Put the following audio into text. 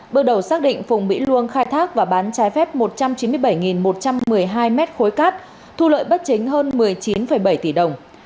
bước đầu xác định phùng mỹ luông khai thác và bán trái phép một trăm chín mươi bảy một trăm một mươi hai mét khối cát thu lợi bất chính hơn một mươi chín bảy tỷ đồng